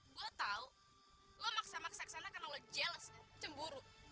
gue tau lo maksa maksa kesana karena lo jealous kan cemburu